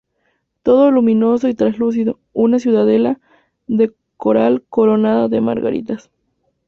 Todo luminoso y traslúcido; una ciudadela de coral coronada de margaritas".